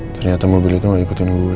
ternyata mobil itu gak ikutin gue